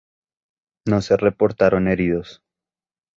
No se reportaron heridos.